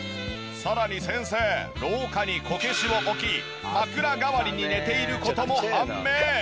さらに先生廊下にこけしを置き枕代わりに寝ている事も判明！